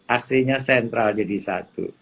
aslinya sentral jadi satu